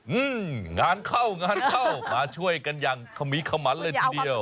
อืมงานเข้างานเข้ามาช่วยกันอย่างขมีขมันเลยทีเดียว